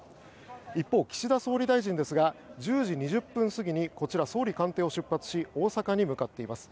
一方、岸田総理大臣ですが１０時２０分過ぎにこちら、総理官邸を出発し大阪に向かっています。